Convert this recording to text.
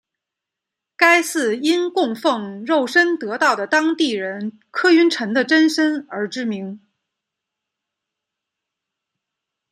该寺因供奉肉身得道的当地人柯云尘的真身而知名。